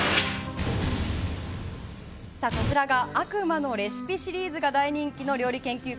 こちらが「悪魔のレシピ」シリーズが大人気の料理研究家